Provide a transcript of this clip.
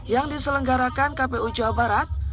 yang diselenggarakan kpu jawa barat